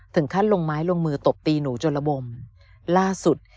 ถึงขั้นลงไม้ลงมือตบตีหนูจนระบมล่าสุด